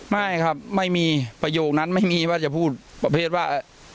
ไม่ครับไม่มีประโยคนั้นไม่มีว่าจะพูดประเภทว่า